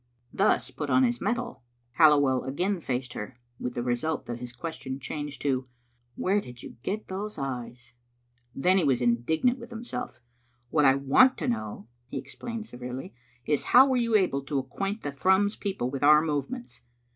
Thus put on his mettle, Halliwell again faced her, with the result that his question changed to " Where did you get those eyes?" Then was he indignant with himself. "What I want to know," he explained severely, "is how you were able to acquaint the Thrums people with our movements?